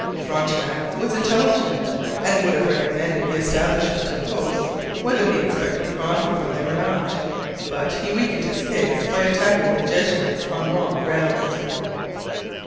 Frontenac was intelligent and would have recommended the establishment of posts whether he expected profit from them or not, but he weakened his case by attacking the Jesuits on wrong grounds.